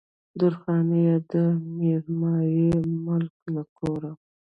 درخانۍ يې د ميرمايي ملک له کوره